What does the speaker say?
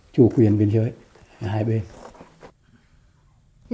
chủ quyền biên giới hai bên